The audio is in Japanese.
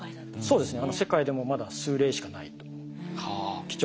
そうですね。